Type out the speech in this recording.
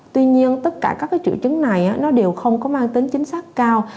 tuy nhiên tất cả các triệu chứng này nó đều không có mang tính chính xác cao